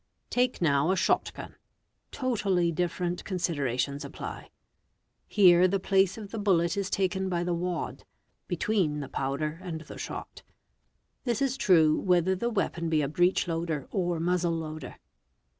Take — now a shot gun; totally different considerations apply. Here the place of the bullet is taken by the wad (between the powder and the shot), This is true whether the weapon be a breech loader or muzzle loader.